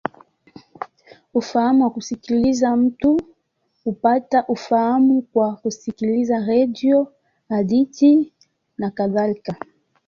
Ufahamu wa kusikiliza: mtu hupata ufahamu kwa kusikiliza redio, hadithi, nakadhalika.